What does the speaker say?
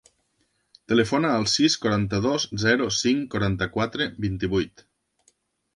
Telefona al sis, quaranta-dos, zero, cinc, quaranta-quatre, vint-i-vuit.